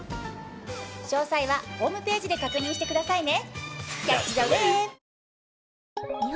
詳細はホームページで確認してくださいね。